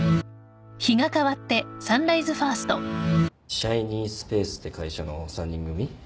シャイニースペースって会社の３人組。